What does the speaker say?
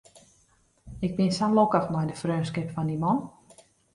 Ik bin sa lokkich mei de freonskip fan dy man.